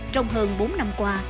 trong hơn bốn năm qua